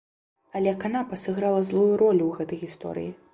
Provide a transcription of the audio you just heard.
Але канапа сыграла злую ролю ў гэтай гісторыі.